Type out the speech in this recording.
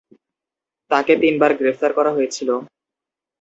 তাকে তিন বার গ্রেফতার করা হয়েছিল।